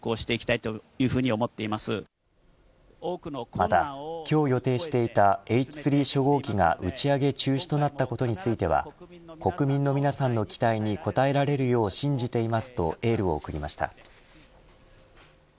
また今日予定していたＨ３初号機が打ち上げ中止となったことについては国民の皆さんの期待に応えられるよう信じていますとエールを送りました。